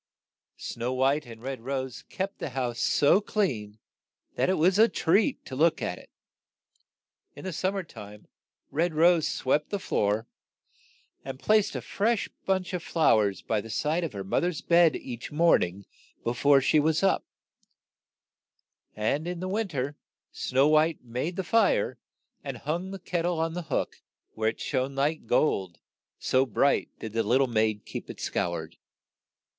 Snow White and Red Rose kept the house so clean that it was a treat to look at it. In the sum mer time, Red Rose swept the floor, and placed a fresh bunch of flow ers by the side of her moth er's bed each morn ing be fore she was up ; and in the win ter, Snow White made the fire and hung the ket tle on the hook, where it shone like gold, so bright did the lit tie maid keep it scoured.